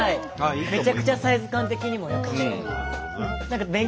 めちゃくちゃサイズ感的にも良くて。